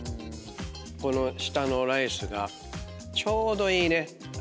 この下のライスがちょうどいいね。